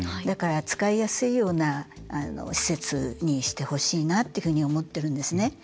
だから、使いやすいような施設にしてほしいなっていうふうに思ってるんですね。